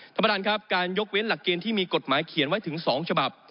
ท่านประธานครับการยกเว้นหลักเกณฑ์ที่มีกฎหมายเขียนไว้ถึง๒ฉบับ